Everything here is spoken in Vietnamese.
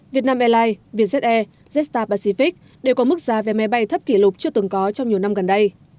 việt nam airlines vietjet air jetstar pacific đều có mức giá vé máy bay thấp kỷ lục chưa từng có trong nhiều năm gần đây